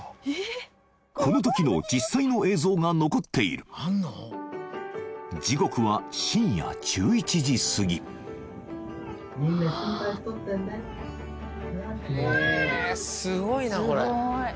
この時の実際の映像が残っている時刻は深夜１１時すぎ・みんな心配しとったんやで